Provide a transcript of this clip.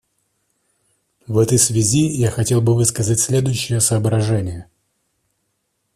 В этой связи я хотел бы высказать следующие соображения.